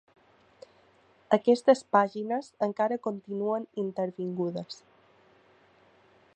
Aquestes pàgines encara continuen intervingudes.